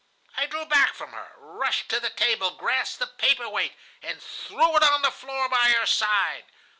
I drew back from her, rushed to the table, grasped the paper weight, and threw it on the floor by her side.